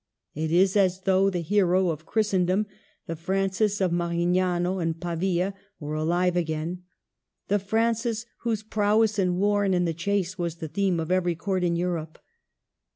It is as though the hero of Christendom, the Francis of Marignano and Pavia, were alive again, — the Francis whose prowess in war and in the chase was the theme of every Court in Europe.